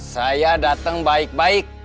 saya dateng baik baik